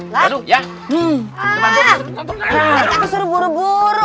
tadi tadi suruh buru buru